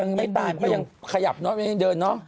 ยังไม่ตายก็ยังขยับเนอะยังเดินเนอะ